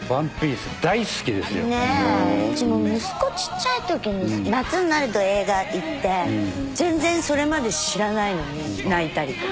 うちも息子ちっちゃいときに夏になると映画行って全然それまで知らないのに泣いたりとか。